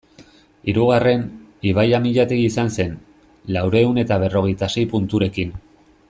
Hirugarren, Ibai Amillategi izan zen, laurehun eta berrogeita sei punturekin.